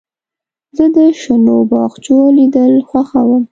زه د شنو باغچو لیدل خوښوم.